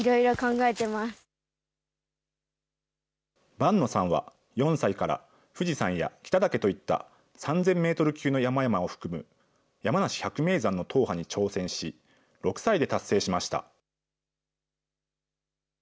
伴野さんは、４歳から富士山や北岳といった３０００メートル級の山々を含む、山梨百名山の踏破に挑戦し、６歳で達成しました。